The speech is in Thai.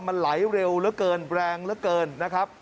มันไหลเร็วเหลือเกินแรงเหลือเกินนะครับ